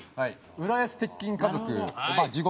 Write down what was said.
『浦安鉄筋家族』『地獄甲子園』。